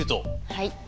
はい。